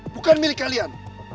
bukan milik kalian